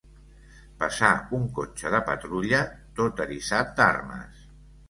Passà un cotxe de patrulla, tot eriçat d'armes